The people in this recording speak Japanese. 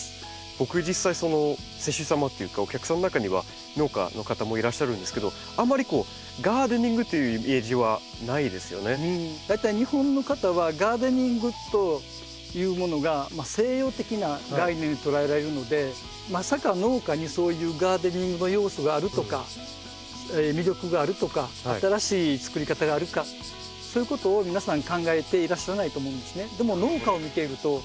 僕実際施主様っていうかお客さんの中には農家の方もいらっしゃるんですけどあんまり大体日本の方はガーデニングというものが西洋的な概念と捉えられるのでまさか農家にそういうガーデニングの要素があるとか魅力があるとか新しいつくり方があるかそういうことを皆さん考えていらっしゃらないと思うんですね。